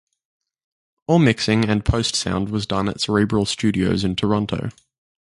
All mixing and post sound was done at Cerebral Studios in Toronto.